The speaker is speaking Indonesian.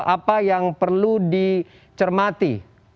apa yang perlu dicermati